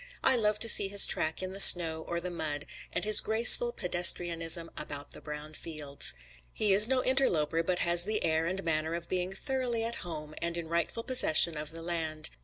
I love to see his track in the snow or the mud, and his graceful pedestrianism about the brown fields. He is no interloper, but has the air and manner of being thoroughly at home, and in rightful possession of the land.